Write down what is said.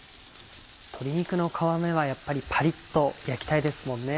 鶏肉の皮目はやっぱりパリっと焼きたいですもんね。